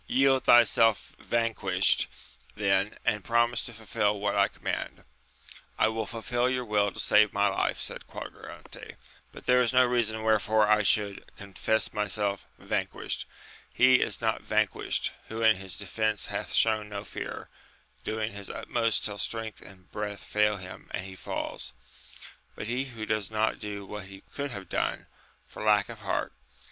— ^Yield thyself vanquished, 24 AMADIS OF GAUL. then, and promise to fiilfd what I command ! I will fulfil your will to save my life, said Quadragante, but there is no reason wherefore I should confess my self vanquished: he is not vanquished, who in his defence hath shown no fear, doing his utmost till strength and breath fail him and he falls ; but he who does not do what he could have done, for lack of heart.